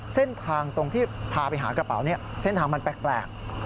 เส้นทางตรงที่พาไปหากระเป๋านี้เส้นทางมันแปลก